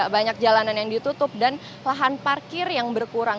banyak jalanan yang ditutup dan lahan parkir yang berkurang